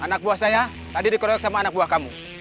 anak buah saya tadi dikeroyok sama anak buah kamu